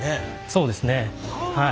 そうですねはい。